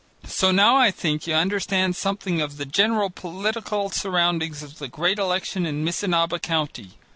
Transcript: So now, I think, you understand something of the general political surroundings of the great election in Missinaba County.